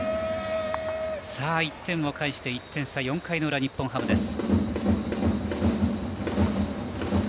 １点を返して、１点差４回の裏、日本ハムです。